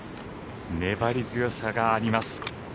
粘り強さがあります。